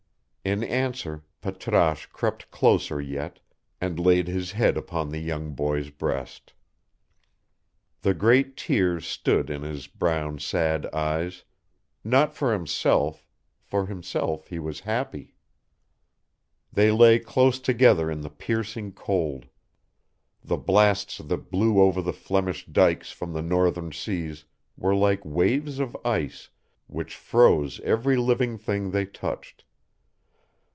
In answer, Patrasche crept closer yet, and laid his head upon the young boy's breast. The great tears stood in his brown, sad eyes: not for himself for himself he was happy. They lay close together in the piercing cold. The blasts that blew over the Flemish dikes from the northern seas were like waves of ice, which froze every living thing they touched.